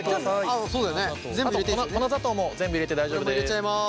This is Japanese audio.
あと粉砂糖も全部入れて大丈夫です。